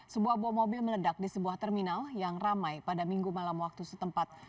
sebuah bom mobil meledak di sebuah terminal yang ramai pada minggu malam waktu setempat